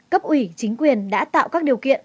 cấp ủy chính quyền đã tạo các điều kiện